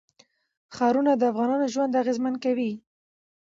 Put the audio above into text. ښارونه د افغانانو ژوند اغېزمن کوي.